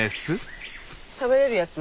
食べれるやつ？